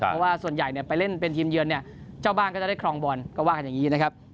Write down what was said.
เพราะว่าส่วนใหญ่ไปเล่นแบบทีมเยือนเจ้าบ้านก็จะได้ครองบอลก็วางอย่างนี้นะครับ